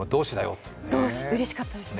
うれしかったです。